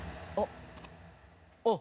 あっ。